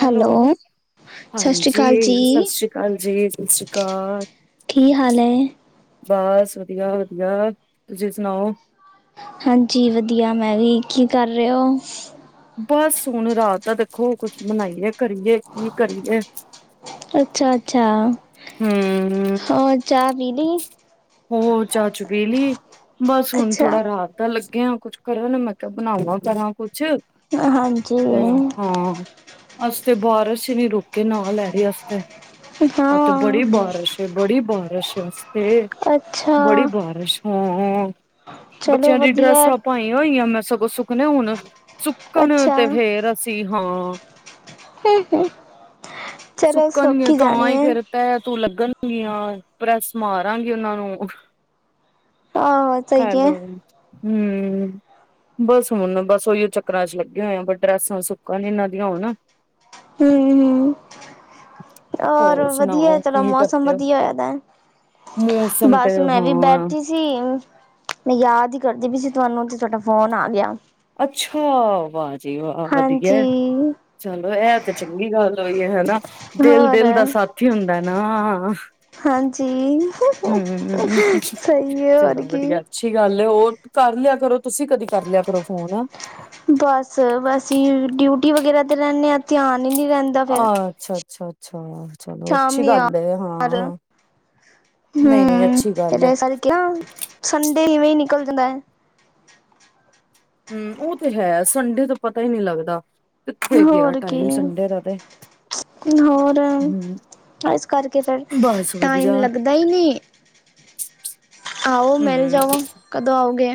Hello, ਸਤਿ ਸ਼੍ਰੀ ਅਕਾਲ ਜੀ। ਹਾਂਜੀ ਸਸ ਸ਼੍ਰੀ ਕਾਲ ਜੀ। ਸਸ ਸ਼੍ਰੀ ਕਾਲ। ਕੀ ਹਾਲ ਐ? ਬਸ ਵਧੀਆ, ਵਧੀਆ ਤੁਸੀ ਸੁਣਾਔ? ਹਾਂਜੀ ਵਧੀਆ ਮੈਂ ਵੀ। ਕੀ ਕਰ ਰੇ ਔ? ਬਸ ਹੁਣ ਰਾਤ ਦਾ ਦੇਖੋ ਕੁਛ ਬਨਾਈਏ, ਕਰੀਏ, ਕੀ ਕਰੀਏ। ਅੱਛਾ-ਅੱਛਾ ਹੂੰ। ਹੋਰ ਚਾ ਪੀ ਲੀ? ਹੋਰ ਚਾ ਚੁ ਪੀੇ ਲੀ ਬਸ ਹੁਣ ਅੱਛਾ, ਥੋੜਾ ਰਾਤ ਦਾ ਲੱਗੇ ਆ ਕੁਛ ਕਰਨ ਮੈਂ ਕਿਆ ਬਣਾਵਾਂ ਕਰਾ ਕੁ ਛ ਹਾਂਜੀ, ਤੇ ਹਾਂ। ਅੱਜ ਤੇ ਬਾਰਸ਼ ਈ ਨੀ ਰੁਕ ਕੇ ਨਾਂ ਲੈ ਰੀ ਅੱਜ ਤੇ। ਆ ਤੇ ਬੜੀ ਹਾਂ, ਬਾਰਸ਼ ਏ, ਬੜੀ ਬਾਰਸ਼ ਏ ਅੱਜ ਤੇ ਬੜੀ ਅੱਛਾ। ਬਾਰਸ਼ ਹਾਂਅ ਚਲੋ ਬੱਚਿਆਂ ਦੀ ਵਧੀਆ, ਡਰੈਸਾ ਪਾਈਆਂ ਹੋਈਆਂ ਮੈਂ ਸਗੋਂ ਸੁੱਕਣੇ ਹੁਣ ਸੁੱਕਣ ਅੱਛਾ, ਤੇ ਫੇਰ ਅਸੀ ਹਾਂ ਚਲੋ ਸੋਕ ਸੁੱਕਣਗੀਆਂ ਈ ਤਾਂ ਜਾਣੀ ਹੀ ਐ। ਫੇਰ ਤੈਅ ਤੁਅ ਲੱਗਣਗੀਆਂ, ਪ੍ਰੈਸ ਮਾਰਾਂਗੀ ਔਨਾਂ ਨੂੰ ਔਰ ਹੈਲੋ। ਹੂੰ। ਬਸ ਹੁਣ, ਬਸ ਔਈਔ ਚੱਕਰਾਂ 'ਚ ਲੱਗੇ ਹੋਏ ਆਂ ਪਰ ਡਰੈਸਾਂ ਹੁਣ ਸੁੱਕਨ ਏਨਾਂ ਦੀਆਂ ਹੋਣ। [unintelligible] ਔਰ ਹੋਰ ਵਧੀਐ ਸੁਣਾਓ ਚਲੋ ਕੀ ਮੌਸਮ ਕਰਦੇ ਹੋ ਵਧੀਆ ਹੋਇਆ ਦੈ। ਮੌਸਮ ਤੇ ਬਸ ਮੈਂ ਵੀ ਹਾਂ ਬੈਠੀ ਸੀ। ਮੈਂ ਯਾਦ ਈ ਕਰਦੀ ਪਈ ਸੀ ਤੁਆਨੂੰ ਤੇ ਤੁਆਡਾ ਫੋਨ ਆ ਗਿਆ। ਅੱਛਾ! ਵਾਹ ਜੀ ਵਾਹ! ਵਧੀਐ। ਹਾਂਜੀ। ਚਲੋ ਐ ਤੇ ਚੰਗੀ ਗੱਲ ਹੋਈ ਏ ਹੈ ਨਾ ਦਿਲ ਹੋਰ ਦਿਲ ਦਾ ਸਾਥ ਈ ਹੁੰਦੈ ਨਾ। ਹਾਂਜੀ। ਹੂੰ ਸਈ ਏ, ਹੋਰ ਚਲੋ ਕੀ। ਵਧੀਆ ਅੱਛੀ ਗੱਲ ਏ ਹੋਰ ਕਰ ਲਿਆ ਕਰੋ ਤੁਸੀ ਕਦੀ ਕਰ ਲਿਆ ਕਰੋ ਫੋਨ। ਬਸ ਵ ਅਸੀ ਡਿਊਟੀ ਵਗੈਰਾ ਤੇ ਰੈਨੇ ਆਂ ਧਿਆਨ ਈ ਨੀ ਰੈਂ ਅ ਅੱਛਾ-ਅੱਛਾ-ਅੱਛਾ ਚਲੋ ਅੱਛੀ ਗੱਲ ਏ ਹਾਂ। ਨਹੀਂ ਨਹੀਂ ਹੂੰ, ਅੱਛੀ ਗੱਲ ਫਿਰ ਏ ਐ ਸਾਰੀ [unintelligible] ਸੰਡੇ ਇਵੇਂ ਈ ਨਿਕਲ ਜਾਂਦੈ। ਹੂੰ, ਔ ਤੇ ਹੈ ਸੰਡੇ ਤੋਂ ਪਤੈ ਈ ਨੀ ਲੱਗਦਾ। ਕਿੱਥੇ ਗਿਆ ਟਾਈਮ ਸੰਡੇ ਦਾ ਤੇ। ਤੇ ਹੋਰ, ਹਮ ਏਸ ਕਰਕੇ ਫੇਰ ਬਸ ਟਾਈਮ ਵਧੀਆ ਲੱਗਦਾ ਈ ਨਈ। ਆਔ, ਮਿਲ ਹਮ ਜਾਔ। ਕਦੋਂ ਆਔਗੇ?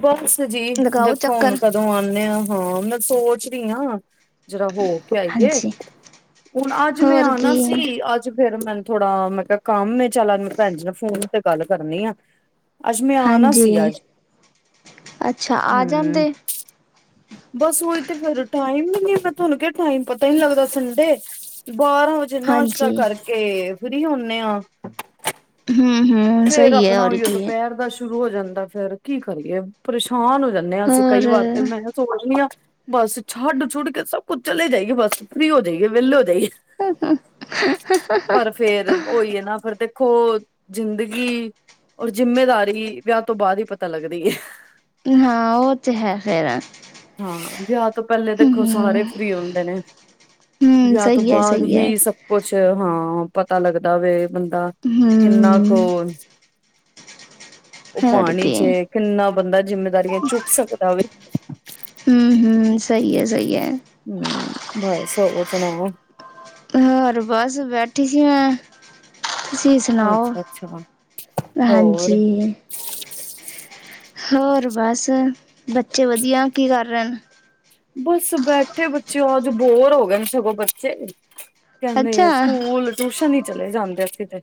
ਬਸ ਜੀ, ਲਗਾਓ ਦੇਖੋ ਹੁਣ ਚੱਕਰ ਕ ਦੋਂ ਆਂਣੇ ਆਂ। ਹ ਮੈਂ ਸੋਚ ਰੀ ਆਂ ਜੜਾ ਹੋਰ ਆਈਏ, ਹਾਂਜੀ ਹੁਣ ਅੱਜ ਮੈਂ ਹੋਰ ਕੀ ਆਉਣਾ ਸੀ ਅੱਜ ਫੇਰ ਮੈਨ ਥੋੜਾ ਮੈਂ ਕਿਹਾ ਕੰਮ ਹੈ ਚੱਲ ਮੈਂ ਭੈਣ ਜੀ ਨਾਲ ਫੋਨ ਤੇ ਗੱਲ ਕਰਨੀ ਆ। ਅੱਜ ਮੈਂ ਆਣਾ ਹਾਂਜੀ ਸੀ ਅੱਜ। ਅੱਛਾ ਆ ਜਾਂਦੇ ਹੁੰ ਬਸ ਉਹੀ ਤੇ ਫੇਰ ਟਾਈਮ ਨੀ ਪਤਾ ਲੱਗਿਆ ਟਾਈਮ ਪਤਾ ਹੀ ਨੀ ਲੱਗਦਾ ਸੰਡੇ। ਬਾਰਾਂ ਵਜੇ ਨਾਸ਼ਤਾ ਹਾਂਜੀ ਕਰਕੇ ਫ੍ਰਰੀ ਹੋਣੇ ਆ। ਹੰ ਹੁੰ ਫੇਰ ਆਪਣਾ ਓਇਓ ਦੁਪਹਿਰ ਦਾ ਸ਼ੁਰੂ ਹੋ ਜਾਂਦਾ ਫੇਰ ਕੀ ਕਰੀਏ ਪਰੇਸ਼ਾਨ ਹੋ ਜਾਂਦੇ ਹਾਂ ਅਸੀਂ ਹੋਰ ਕਈ ਵਾਰ ਤੇ ਮੈਂਹ ਸੋਚਨੀ ਆ ਬਸ ਛੱਡ ਛੁੱਡ ਕੇ ਸਭ ਕੁੱਝ ਚਲੇ ਜਾਈਏ ਬਸ ਫਰੀ ਹੋ ਜਾਈਏ ਵਿਹਲੇ ਹੋ ਜਾਈਏ। ਹਂ ਹਂ ਹਂ। ਪਰ ਫੇਰ ਓਇ ਹੈ ਨਾ ਫਿਰ ਦੇਖੋ ਜ਼ਿੰਦਗੀ ਔਰ ਜਿੰਮੇਦਾਰੀ ਵਿਆਹ ਤੋਂ ਬਾਅਦ ਹੀ ਪਤਾ ਲੱਗਦੀ ਏ। ਹਾਂ ਉਹ ਤੇ ਹੈ ਖੇਰ ਹਾਂ ਵਿਆਹ ਤੋਂ ਪਹਿਲੇ ਦੇਖੋ ਸਾਰੇ ਫਰੀ ਹੁੰਦੇ ਨੇ ਹੂੰ ਵਿਆਹ ਤੋਂ ਸਹੀ ਹੈ ਬਾਅਦ ਸਹੀ ਹੈ ਹੀ ਸਭ ਕੁਛ ਹਾਂ ਪਤਾ ਲੱਗਦਾ ਵੇ ਬੰਦਾ ਕਿੰਨਾ ਹੂੰ ਕ ਉਹ ਹੋਰ ਪਾਣੀ ਕੀ ਚੇ ਕਿੰਨਾ ਬੰਦਾ ਜਿੰਮੇਦਾਰੀਆਂ ਚੁੱਕ ਸਕਦਾ ਵੇ। ਹੁੰ ਹੁੰ ਸਹੀ ਹੈ ਸਹੀ ਹੈ। ਹੁ ਬਸ ਹੋਰ ਸੁਣਾਓ। ਹੋਰ ਬਸ ਬੈਠੀ ਸੀ ਮੈਂ। ਤੁਸੀਂ ਸੁਣਾਓ ਅੱਛਾ ਅੱਛਾ ਹੋਰ ਹਾਂਜੀ। ਹੋਰ ਬਸ ਬੱਚੇ ਵਧੀਆ ਕੀ ਕਰ ਰਹੇ ਹਨ। ਬਸ ਬੈਠੇ ਬੱਚੇ ਅੱਜ ਬੋਰ ਹੋ ਗਏ ਨੇ ਸਗੋਂ ਬੱਚੇ। ਅੱਛਾ ਕਹਿੰਦੇ ਸਕੂਲ ਟਿਊਸ਼ਨ ਹੀ ਚਲੇ ਜਾਂਦੇ ਅਸੀ ਤੇ।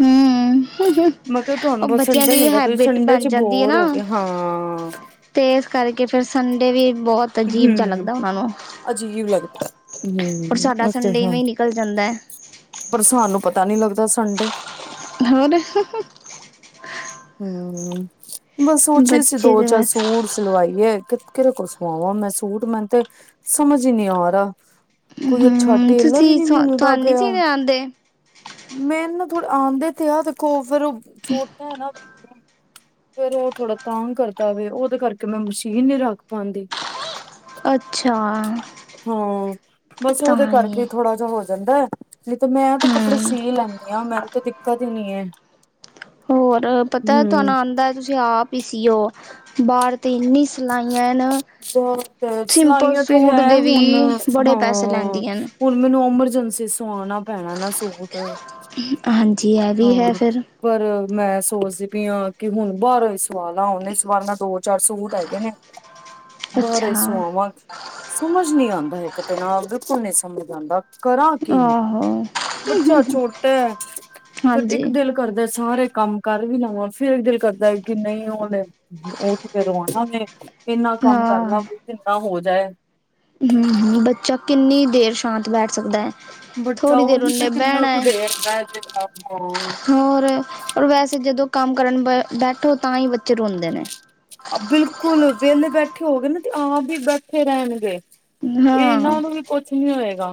ਹੁੰ। ਹੁੰ ਹੁੰ ਮੈਂ ਕਿਹਾ ਤੁਹਾਨੂੰ ਉਹ ਬਸ ਬੱਚਿਆਂ ਸੰਡੇ ਦੀ ਵੀ ਮਿਲਦਾ ਤੁਸੀਂ ਹੈਬਿਟ ਸੰਡੇ ਬਣ ਚ ਜਾਂਦੀ ਹੈ ਬੋਰ ਨਾ ਹੋ ਗਏ ਹਾਂ ਤੇ ਇਸ ਕਰਕੇ ਫਿਰ ਸੰਡੇ ਵੀ ਬਹੁਤ ਹੁੰ। ਸਾਨੂ ਅਜੀਬ ਲੱਗਦਾ ਹੁੰ ਉਤੇ ਸੰਡੇ ਹੈ। ਇਵੇਂ ਹੀ ਨਿਕਲ ਜਾਂਦਾ ਹੈ। ਪਰ ਸਾਨੂੰ ਪਤਾ ਨੀ ਲੱਗਦਾ ਸੰਡੇ ਹੋਰ ਹੂ ਹੁ। ਹੁੰ ਬਸ ਸੋਚ ਰਈ ਸੀ ਬੱਚੇ ਦੋ ਦੇ ਚਾਰ ਬਸ ਸੂਟ ਸ ਸਲਵਾਈ ਕਿਰੇ ਕੋਲ ਸਵਾਵਾਂ ਮੈਂ ਸੂਟ ਮੈਨੂੰ ਤੇ ਸਮਝ ਹੀ ਨਈ ਆ ਰਾ। ਕੋਈ ਅੱਛਾ ਹਮ ਟੇਲਰ ਹੀ ਤੁਸੀਂ ਨਹੀ ਮਿਲਦਾ ਤੁਹਾਨੂੰ ਨੀ ਪਿਆ ਸੀਣੇ ਆਉਂਦੇ ਮੇਨੂ ਥੋੜੇ ਆਉਂਦੇ ਤੇ ਹੈ ਦੇਖੋ ਫੇਰ ਉਹ ਛੋਟਾ ਨਾ ਫੇਰ ਉਹ ਥੋੜਾ ਤਾਂਗ ਕਰਦਾ ਵੇ ਉਹਦੇ ਕਰਕੇ ਮੈਂ ਮਸ਼ੀਨ ਨਹੀਂ ਰੱਖ ਪਾਂਦੀ। ਅੱਛਾ ਹੁ ਬਸ ਉਹਦੇ ਤਾਂ ਹੀ ਕਰਕੇ ਥੋੜਾ ਜਾ ਜਹਾ ਹੋ ਜਾਂਦਾ ਹੈ ਨਹੀਂ ਤਾਂ ਮੈਂ ਤੇ ਕੱਪੜੇ ਹਮ ਸੀ ਲੈਂਦ ਆ ਮੈਨੂ ਤਾਂ ਦਿੱਕਤ ਹੀ ਨਹੀਂ ਹੈ। ਹੋਰ ਪਤਾ ਹੂੰ ਤੁਹਾਨੂੰ ਆਉਂਦਾ ਤੁਸੀਂ ਆਪ ਹੀ ਸੀਓ ਬਾਹਰ ਤੇ ਇੰਨੀ ਸ ਸਲਾਈਆਂ ਏ ਨ ਚੱਲੋ ਫਿਰ ਸਿਲਾਈਆਂ ਤੇ ਹੈ ਹੁਣ ਵੀ ਬੜੇ ਹਾਂ ਪੈਸੇ ਲੈਂਦੀਆਂ ਨੇ ਹੁਣ ਮੈਨੂੰ ਅਮਰਜੈਂਸੀ ਸਆਉਣਾ ਪੈਣਾ ਨਾ ਸੂਟ ਅ। ਹਾਂਜੀ ਇਹ ਵੀ ਹੈ ਫਿਰ ਪਰ ਮੈਂ ਸੋਚਦੀ ਪਈ ਹਾਂ ਕਿ ਹੁਣ ਬਾਹਰੋਂਏ ਸਵਾਲ ਆ ਓਨੇ ੲ ਏਸ ਵਾਲ ਨਾ ਦੋ ਚਾਰ ਸੂਟ ਹੈਗੇ ਨੇ। ਬਾਹਰੋ ਅੱਛਾ ਹੀ ਸੁਵਾਵਾਂ ਸਮਝ ਨੀ ਆਉਂਦਾ ਇੱਕ ਦਿ ਨਾਲ ਬਿਲਕੁਲ ਨੀ ਸਮਝ ਆਉਂਦਾ। ਕਰਾਂ ਕੀ ਆਹੋ ਬੱਚਾ ਛੋਟਾ ਹੈ ਫਿਰ ਹਾਂਜੀ ਇੱਕ ਦਿਲ ਘਰਦੇ ਸਾਰੇ ਕੰਮ ਕਰ ਵੀ ਲਵਾ ਫਿਰ ਦਿਲ ਕਰਦਾ ਕਿ ਨਹੀਂ ਹੋਣੇ। ਉੱਠ ਕੇ ਰਵਾਣਾਗੇ, ਇੰਨਾ ਕੰਮ ਹਾਂ ਕਰਨਾ ਜਿੰਨਾ ਹੋ ਜਾਏ। ਹੁੰ- ਹੁੰ, ਬੱਚਾ, ਕਿੰਨੀ ਦੇਰ ਸ਼ਾਂਤ ਬੈਠ ਸਕਦਾ ਹੈ? ਥੋੜ੍ਹੀ ਦੇਰ ਉਹਨੇ ਬਹਿਣਾ ਹੈ [inaudible] ਹੋਰ, ਔਰ ਵੈਸੇ ਜਦੋਂ ਕੰਮ ਕਰਨ ਬ, ਬੈਠੋ ਤਾਂ ਈ ਬੱਚੇ ਰੋਂਦੇ ਨੇ। ਬਿਲਕੁਲ, ਵਿਹਲੇ ਬੈਠੇ ਹੋਵੋਗੇ ਨਾ, ਤੇ ਆਪ ਵੀ ਬੈਠੇ ਰਹਿਣਗੇ। ਹਾਂ ਏਨਾਂ ਨੂੰ, ਵੀ ਕੁਛ ਨੀ ਹੋਏਗਾ।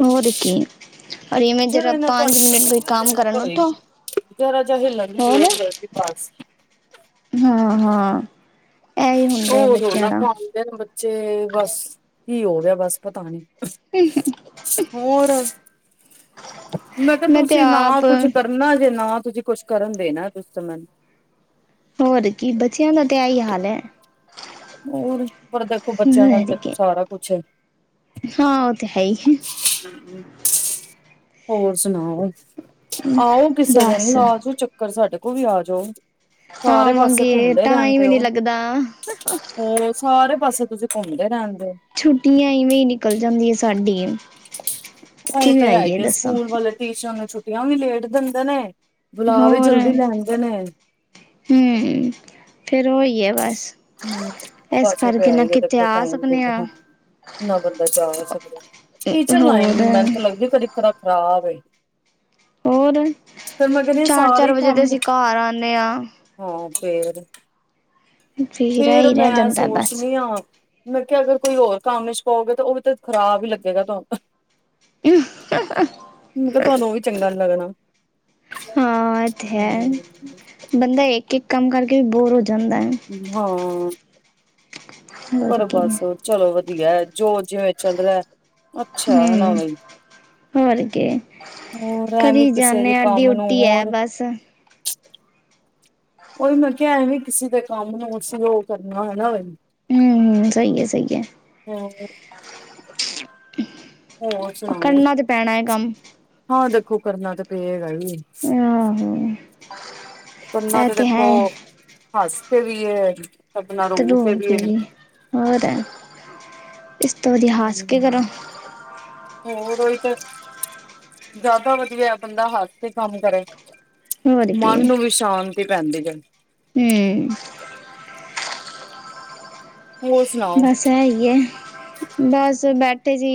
ਹੋਰ ਕੀ, ਔਰ ਇਵੇਂ ਜਦੋਂ ਜਰਾ, ਇਹਨਾਂ ਪੰਜ ਮਿੰਟ ਕੋਈ ਕੰਮ ਕਰਨ ਉੱਠੋ ਰਾਜਾ ਹਿਲਣ ਨਹੀਂ ਦੇ ਰਿਹਾ ਸੀ, [unintelligible] ਪਾਸ ਹਾਂ-ਹਾਂ। ਓ, ਰੌਲਾ ਪਾਂਦੇ ਨੇ ਬੱਚੇ ਬਸ, ਕੀ ਹੋ ਗਿਆ ਬਸ ਪਤਾ ਨੀ। ਹੋਰ, ਮੈਂ ਕਿਹਾ, ਤੇ ਤੁਸੀਂ ਨਾ ਆਪ ਕੁਛ ਕਰ ਨਾ ਜੇ ਨਾ, ਤੁਸੀਂ ਕੁੱਛ ਕਰਨ ਦੇਣਾ, ਤੁਸੀਂ ਮੈਨੂੰ। [unintelligible] ਹੋਰ ਕੀ, ਬੱਚਿਆਂ ਦਾ ਤੇ ਇਹੀ ਹਾਲ ਐ। ਹੋਰ, ਪਰ ਦੇਖੋ ਬੱਚਿਆਂ, ਨਾਲ ਹੋਰ ਦੇਖੋ ਕੀ ਸਾਰਾ ਕੁੱਛ ਐ। ਹਾਂ, ਉਹ ਤੇ ਹੈ ਈ। ਹੋਰ, ਸੁਣਾਓ? ਆਉ, ਕਿਸੇ ਦਿਨ, ਬਸ ਲਾਜੋ ਚੱਕਰ ਸਾਡੇ ਕੋਲ ਵੀ ਆ ਜੋ। ਆਵਾਂਗੇ, ਟਾਈਮ ਈ ਨੀ ਲੱਗਦਾ। ਹੋਰ, ਸਾਰੇ ਪਾਸੇ ਤੁਸੀਂ ਘੁੰਮਦੇ ਰਹਿੰਦੇ ਓ। ਛੁੱਟੀਆਂ, ਇਵੇਂ ਹੀ ਨਿਕਲ ਜਾਂਦੀਆਂ ਸਾਡੀਆਂ। ਉਹੀ, ਤੇ ਹੈਗੇ ਸਕੂਲ ਵਾਲੇ ਟੀਚਰਾਂ ਨੂੰ, ਛੁੱਟੀਆਂ ਵੀ ਲੇਟ ਦਿੰਦੇ ਨੇ, ਬੁਲਾ ਵੀ ਹੋਰ ਜਲਦੀ ਲੈਂਦੇ ਨੇ। ਹੂੰ, ਫਿਰ ਉਹੀ ਹੈ ਬਸ ਹੂੰ ਇਸ ਪਾਸੇ ਕਰਕੇ ਪਿਆ ਨਾ ਈ ਆ, ਕਿਤੇ ਦੇਖੋ ਟਾਈਮ ਵੀ ਸਕਨੇ [unintelligible] ਆ ਨਾ ਬੰਦਾ ਜਾ ਸਕਦਾ, ਟੀਚਰ ਲਾਈਨ ਹੋਰ ਵੀ, ਮੈਨੂੰ ਤਾਂ ਲੱਗਦੀ ਕਦੀ [unintelligible] ਖਰਾਬ ਏ। ਹੋਰ ਫੇਰ ਮੈਂ ਕਹਿੰਦੀ ਚਾਰ-ਚਾਰ ਸਾਰੇ ਵਜੇ ਤੇ, ਕੰਮ ਅਸੀਂ ਘਾਰ ਆਂਨੇ ਆ। ਹਾਂ, ਫੇਰ? ਫਿਰ ਫੇਰ, ਇਹੀ ਰਹਿ ਮੈਂ ਜਾਂਦਾ ਬਸ ਸੋਚਨੀ ਆ। ਮੈਂ ਕਿਹਾ, ਅਗਰ ਕੋਈ ਹੋਰ ਕੰਮ ਵਿਚ ਪਓਗੇ, ਤਾਂ ਉਹ ਵੀ ਤਾਂ, ਖ਼ਰਾਬ ਈ ਲੱਗੇਗਾ ਤੁਹਾ [unintelligible] ਮੈਂ ਕਿਹਾ, ਤੁਹਨੂੰ ਉਹ ਵੀ ਚੰਗਾ ਨੀ ਲੱਗਣਾ। ਹਾਂ ਏ ਤੇ ਹੈ, ਹਮ ਬੰਦਾ ਇੱਕ-ਇੱਕ ਕੰਮ ਕਰਕੇ ਬੋਰ ਹੋ ਜਾਂਦਾ। ਹਾਂ। ਹੋਰ ਪਰ ਕੀ ਬਸ ਚਲੋ ਵਧੀਆ, ਜੋ ਜਿਵੇਂ ਚੱਲ ਰਿਹਾ, ਅੱਛਾ, ਹੈਨਾ ਹੂੰ ਵਈ। ਹੋਰ ਕੀ ਹੋਰ, ਐਵੀਂ ਕਰੀ ਕਿਸੇ ਵੀ ਜਾਂਨੇ ਆ ਕੰਮ ਨੂੰ ਡਿਊਟੀ ਹੈ ਹੋਰ। ਬਸ ਉਹੀ ਮੈਂ ਕਿਹਾ ਐਂਵੀ ਕਿਸੇ ਦੇ ਕੰਮ ਨੂੰ [unintelligible] ਕਰਨਾ, ਹਨਾਂ ਵੀ। ਹੂੰ, ਸਹੀ ਹੈ, ਸਹੀ ਹੈ। ਹੋਰ। ਹੋਰ ਸੁਣਾਓ ਕਰਨਾ, ਤੇ ਪੈਣਾ ਕੰਮ। ਹਾਂ, ਦੇਖੋ ਕਰਨਾ ਤਾਂ, ਪਏਗਾ ਈ। ਆਹੋ, ਕਰਨਾ ਐ ਤੇ ਦੇਖੋ ਹੈ। ਹੱਸ ਖੇਡ ਲਿਆ ਤਰੂ [unintelligible] ਹੋ ਹੈ। ਕੇ ਵੀ ਹੋਰ। ਇਸ ਤੋਂ ਵਧੀਆ ਹੱਸ ਕੇ ਕਰੋ [inaudible] ਹੋਰ, ਉਹੀ ਤੇ ਜਿਆਦਾ ਵਧੀਆ, ਬੰਦਾ ਹੱੱਸ ਕੇ ਕੰਮ ਕਰੇ। ਹੋਰ ਮਨ ਨੂੰ ਵੀ, ਸ਼ਾਂਤੀ ਪੈਂਦੀ ਹੈ। ਹੂੰ। ਹੋਰ, ਸੁਣਾਓ? ਓ ਤਾ ਹੈ ਈ ਐ, ਬਾਸ ਬੈਠੇ ਸੀ।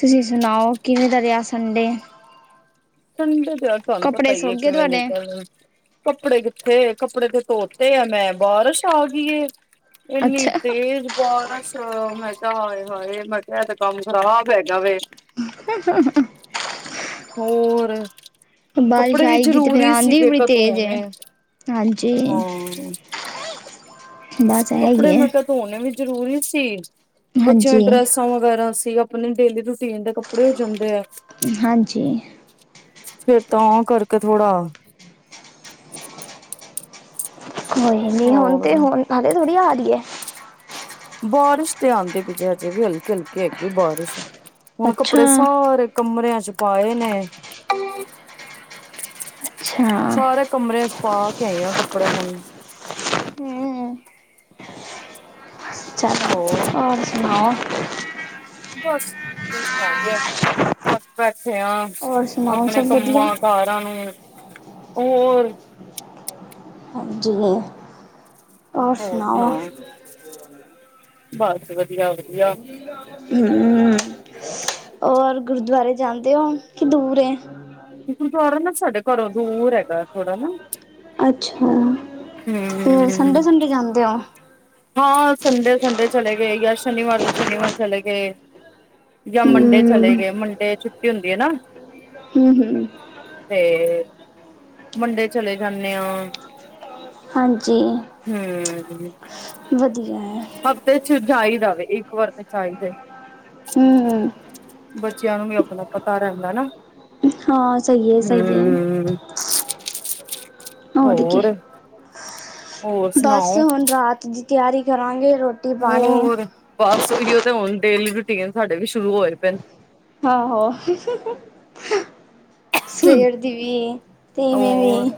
ਤੁਸੀਂ ਸੁਨਾਓ, ਕਿਵੇਂ ਦਾ ਰੇਆ ਸੰਡੇ? ਸੰਡੇ ਤੇ ਹੈ, ਤੁਹਾਨੂੰ ਪਤਾ ਕੱਪੜੇ ਈ ਸੁੱਕ ਏ ਗਏ ਕਿਵੇਂ ਤੁਹਾਡੇ ਨਿਕਲਨਾ। ਕੱਪੜੇ ਕਿੱਥੇ, ਕੱਪੜੇ ਤੇ ਧੋਤੇ ਐ ਮੈਂ ਬਾਰਸ਼ ਆ ਗਈ ਏ। ਏਨੀ ਅੱਛਾ ਤੇਜ਼ ਬਾਰਸ਼ ਮੈਂ ਕੇਆ ਹਾਏ ਹਾਏ, ਮੈਂ ਕੇਆ ਐ ਤੇ ਕਾੰਮ ਖਰਾਬ ਹੈਗਾ ਵੇ। [unintelligible] ਹੋਰ ਬਾਰਿਸ਼ ਕੱਪੜੇ ਵੀ ਆਏਗੀ ਤੇ ਫੇਰ ਜਰੂਰੀ ਆਂਦੀ ਸੀਗੇ ਵੀ ਬੜੀ ਏਕ ਤੇਜ਼ ਹੈ ਧੋਣੇ, ਹਾਂਜੀ ਹਾਂ ਬਸ ਹੈ ਕੱਪੜੇ ਹੀ ਹੈ ਮੈਂ ਕੇਆ ਧੋਨੇ ਵੀ ਜਰੂਰੀ ਸੀ, ਬੱਚੇਆਂ ਦੀ ਹਾਂਜੀ ਡ੍ਰੈਸ ਵਗੈਰਾ ਸੀ, ਆਪਨੀ ਡੇਲੀ ਰੂਟੀਨ ਦੇ ਕੱਪੜੇ ਹੋ ਜਾਂਦੇ ਐ। ਹਾਂਜੀ। ਫੇਰ ਤਾਂ ਕਰਕੇ ਥੋੜਾ ਕੋਈ ਨੀ, ਹੋਨ ਤੇ ਹੋਰ ਹੋਨ ਹਾਲੇ ਥੋੜੀ ਆ ਰੀ ਐ। ਬਾਰਿਸ਼ ਤੇ ਆਂਦੀ ਪਈ ਜੇ ਹਜੇ ਵੀ ਹਲਕੀ-ਹਲਕੀ ਹੈਗੀ ਏ ਬਾਰਿਸ਼। ਹੁਣ ਕੱਪੜੇ ਅੱਛਾ ਸਾਰੇ ਕਮਰੇਆਂ ਚ ਪਾਏ ਨੇ ਅੱਛਾ ਸਾਰੇ ਕਮਰੇਆ ਚ ਪਾ ਕੇ ਆਈ ਆ ਕੱਪੜੇ ਹੁਨ। ਹਮ ਚਲੋ, ਹੋਰ ਸੁਨਾਓ? ਬਸ ਫ੍ਰੀਜ ਭਾਰ ਗੇਆ ਏ, ਬਸ ਬੈਠੇ ਆਂ। ਹੋਰ ਸੁਣਾਓ ਆਪਣੇ ਸਭ ਵਧੀਆ ਕੰਮਾਂ-ਕਾਰਾਂ ਨੂੰ ਹੋਰ ਹਾਂਜੀ, ਹਾਂ। ਹੋਰ ਸੁਨਾਓ? ਬਾਸ ਵਦੀਆ-ਵਦੀਆ। ਹੂੰ, ਓਰ ਗੁਰਦੁਆਰੇ ਜਾਂਦੇ ਓ ਕੀ ਦੂਰ ਏ? ਗੂਰਦਾਰਾ ਨਾ, ਸਾਡੇ ਘਰੋਂ ਦੂਰ ਹੈਗੈ ਥੋੜਾ ਨਾ। ਅੱਛਾ, ਫੇਰ ਹੂੰ ਸੰਡੇ-ਸੂੰਡੇ ਜਾਂਦੇ ਓ? ਹਾਂ, ਸੰਡੇ-ਸੰਡੇ ਚਲੇ ਗਏ ਯਾ, ਸ਼ਨੀਵਾਰ ਦੇ ਸ਼ਨੀਵਾਰ ਚਲੇ ਗਏ। ਯਾ ਮੰਡੇ ਚਲੇ ਹੂੰ ਗਏ, ਮੰਡੇ ਛੁੱਟੀ ਹੁੰਦੀ ਏ ਨਾ। ਹੂੰ, ਹੂੰ। ਤੇ, ਮੰਡੇ ਚਲੇ ਜਾਂਨੇ ਆ। ਹੂੰ। ਵਦੀਆ ਐ। ਹਫ਼ਤੇ ਚ ਜਾਈ ਦਾ ਵੇ, ਇੱਕ ਵਾਰ ਤੇ ਜਾਈਦਾ ਈ ਏ। ਹੂੰ। ਬੱਚੇਆਂ ਨੂੰ ਵੀ ਅਪਨਾ ਪਤਾ ਰੈਂਦਾ ਨਾ, ਹਾਂ ਸਹੀ ਹੈ ਸਹੀ ਹੈ ਹੂੰ। ਹੋਰ? ਹੋਰ ਬਾਸ ਸੁਣਾਓ ਹੋਨ ਰਾਤ ਦੀ ਤੇਆਰੀ ਕਰਾਂਗੇ, ਰੋਟੀ ਪਾਣੀ ਹੋਰ, ਬਾਸ ਓਈ ਓ ਤੇ ਹੋਨ ਡੇਲੀ ਰੂਟੀਨ ਸਾਡੇ ਵੀ ਸ਼ੁਰੂ ਹੋਏ ਪਏ ਨ। [unintelligible] ਸਵੇਰ ਦੀ ਵੀ, ਤੇ ਇਵੇਂ ਹੋਰ ਵੀ।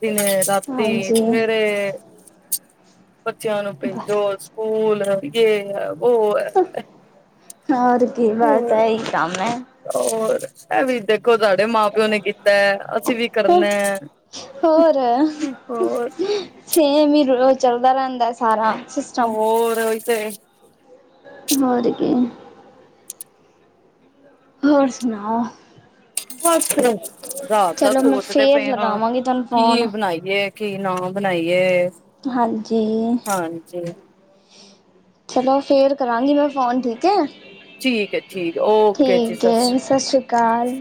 ਦਿਨੇ, ਰਾਤੀ, ਹਾਂਜੀ ਸਵੇਰੇ। ਬੱਚੇਆਂ ਨੂੰ ਬਸ ਭੇਜੋ ਸੂਕੂਲ, ਯੇ ਹੈ, ਵੋ ਹੈ। ਹੋਰ ਕੀ, ਬਾਸ ਆਈ ਕਾੰਮ ਏ। ਹੋਰ, ਐ ਵੀ ਦੇਖੋ ਸਾਡੇ ਮਾਂ ਪੇਓ ਨੇ ਕੀਤੈ, ਅਸੀਂ ਵੀ ਕਰਨੈ। ਹੋਰ, ਸੇਮ ਹੀ ਓ ਰੋਜ਼ ਚਲਦਾ ਰੈਂਦੈ ਸਾਰਾ ਸਿਸ ਹੋਰ, ਓਈ ਤੇ ਏ। ਹੋਰ ਕੀ। ਹੋਰ ਸੁਨਾਓ? ਬਸ ਰਾਤ ਦਾ ਚਲੋ ਮੈਂ ਫੇਰ ਲਗਾਵਾਂਗੀ, ਤੁਹਾਨੂੰ ਫੋਨ। ਕੇ ਕੀ ਨਾ ਬਨਾਈਏ। ਹਾਂਜੀ। ਚਲੋ ਫੇਰ ਕਰਾਂਗੀ ਮੈਂ ਫ਼ੋਨ, ਠੀਕ ਐ। ਠੀਕ ਹੈ ਠੀਕ ਓਕੇ ਜੀ ਠੀਕ ਸਤਿ ਏ, ਸ਼੍ਰੀ ਸਸ੍ਰੀ ਅਕਾਲ